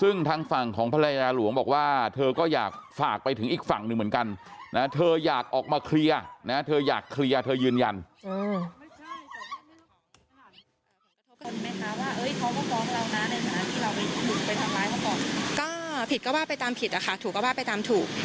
ซึ่งทางฝั่งของภรรยาหลวงบอกว่าเธอก็อยากฝากไปถึงอีกฝั่งหนึ่งเหมือนกันนะ